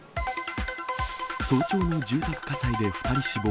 早朝の住宅火災で２人死亡。